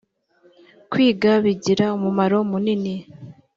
kwiga bigira umumaro munini